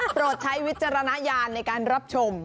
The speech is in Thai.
ใช้วิจารณญาณในการรับชม